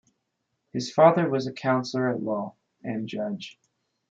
His father was a counselor-at-law and judge.